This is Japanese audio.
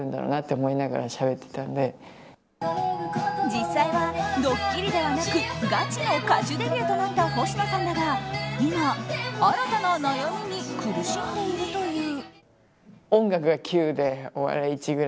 実際は、ドッキリではなくガチの歌手デビューとなった星野さんだが今、新たな悩みに苦しんでいるという。